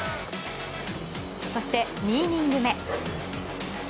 そして２イニング目。